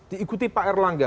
diikuti pak erlangga